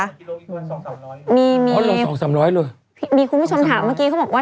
กิโลอีกตัว๒๓๐๐บาทเลยอ๋อ๒๓๐๐บาทเลยมีคุณผู้ชมถามเมื่อกี้เขาบอกว่า